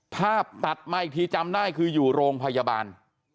ตัดมาอีกทีจำได้คืออยู่โรงพยาบาล